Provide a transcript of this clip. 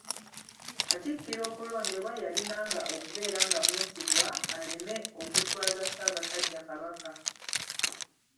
Kattikiro okulondebwa yalinanga okubeera nga mwesigwa aleme okuswaza Ssaabasajja Kabaka.